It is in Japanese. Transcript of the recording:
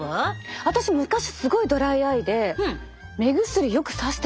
私昔すごいドライアイで目薬よくさしてた。